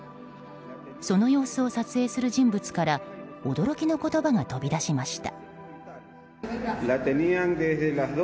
その様子を撮影する人物から驚きの言葉が飛び出しました。